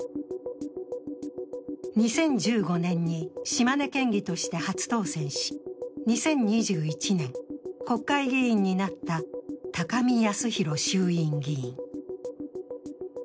２０１５年に島根県議として初当選し、２０２１年、国会議員になった高見康裕衆院議員。